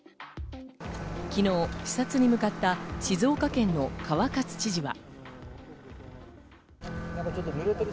昨日視察に向かった静岡県の川勝知事は。